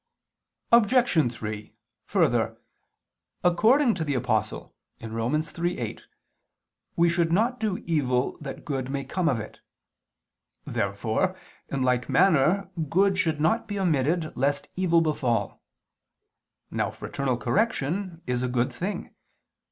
Obj. 3: Further, according to the Apostle (Rom. 3:8) we should not do evil that good may come of it. Therefore, in like manner, good should not be omitted lest evil befall. Now fraternal correction is a good thing.